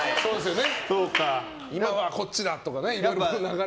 今はこっちだとかね。